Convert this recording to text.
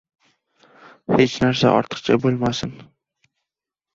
Hech narsa ortiqcha bo‘lmasin.